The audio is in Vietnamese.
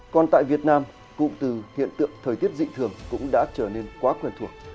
còn tại việt nam cụm từ hiện tượng thời tiết dị thường cũng đã trở nên quá quen thuộc